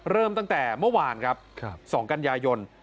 เริ่มตั้งแต่เมื่อวานครับ๒กันยายน